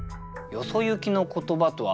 「よそゆきの言葉」とは？